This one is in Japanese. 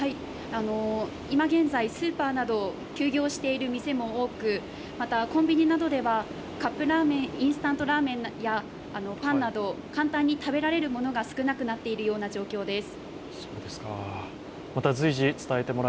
いま現在、スーパーなど休業している店も多くまた、コンビニなどではカップラーメン、インスタントラーメン、パンなど、簡単に食べられるものが少なくなっている状況です。